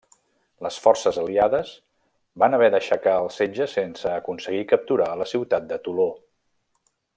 Les forces aliades van haver d'aixecar el setge sense aconseguir capturar la ciutat de Toló.